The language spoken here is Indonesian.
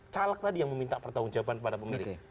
caleg tadi yang meminta pertanggung jawaban kepada pemilih